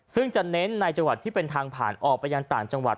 ซึ่งจะเน้นในจังหวัดที่เป็นทางผ่านออกไปยังต่างจังหวัด